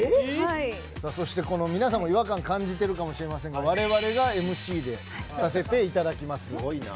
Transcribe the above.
さあそしてこの皆さんも違和感感じてるかもしれませんが我々がＭＣでさせていただきます。